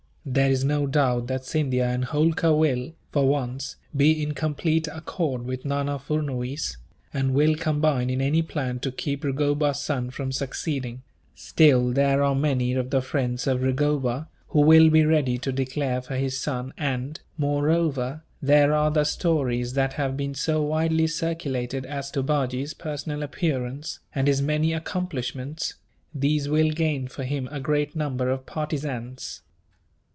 There is no doubt that Scindia and Holkar will, for once, be in complete accord with Nana Furnuwees, and will combine in any plan to keep Rugoba's son from succeeding; still, there are many of the friends of Rugoba who will be ready to declare for his son and, moreover, there are the stories that have been so widely circulated as to Bajee's personal appearance, and his many accomplishments these will gain for him a great number of partisans."